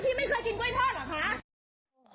ไม่เคยกินกล้วยทอดเหรอคะ